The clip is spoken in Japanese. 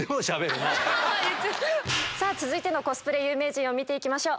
続いてのコスプレ有名人を見ていきましょう。